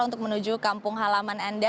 untuk menuju kampung halaman anda